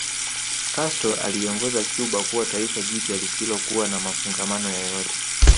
Castro aliiongoza Cuba kuwa taifa jipya lisilokuwa na mafungamano yoyote